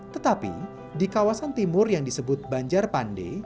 tetapi di kawasan timur yang disebut banjarpande